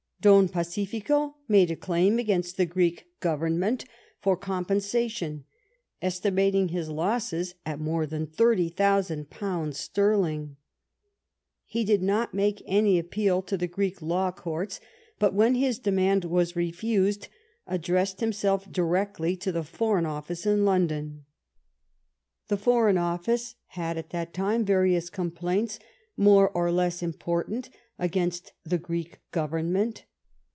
Don Pacifico made a claim against the Greek Government for compensation, estimating his losses at more than thirty thousand pounds sterling. He did not make any appeal to the Greek law courts, but when his demand was refused addressed him self directly to the Foreign Office in London. The Foreign Office had at that time various complaints, more or less important, against the Greek Government.